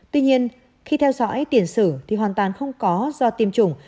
tuy nhiên khi theo dõi tiền sử thì hoàn toàn không có do tiêm chủng